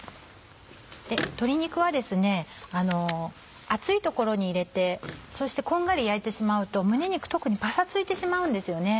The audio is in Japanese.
鶏肉は熱いところに入れてそしてこんがり焼いてしまうと胸肉特にパサついてしまうんですよね。